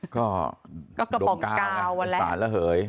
ก็กระป๋องกาวสารระเหย